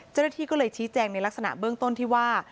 เจ้าหน้าที่ก็เลยชี้แจงในลักษณะเบื้องต้นที่ว่า